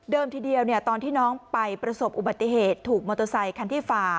ทีเดียวตอนที่น้องไปประสบอุบัติเหตุถูกมอเตอร์ไซคันที่ฝ่า